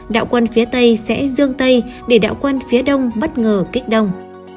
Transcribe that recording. đạo quân phía tây sẽ dương tây để đạo quân phía đông bất ngờ kích đông